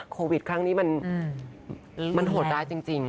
โควิดครั้งนี้มันโหดร้ายจริง